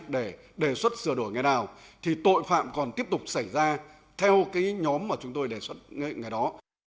để đề xuất sửa đổi ngày nào thì tội phạm còn tiếp tục xảy ra theo cái nhóm mà chúng tôi đề xuất ngày đó